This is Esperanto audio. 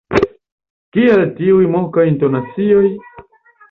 Kial tiuj mokaj intonacioj?